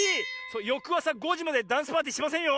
よくあさ５じまでダンスパーティーしませんよ！